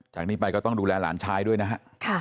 จากนี้ไปก็ต้องดูแลหลานชายด้วยนะฮะ